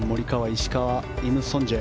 石川、イム・ソンジェ。